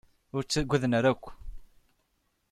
Ur ttaggaden ara akk.